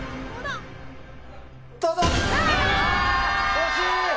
惜しい！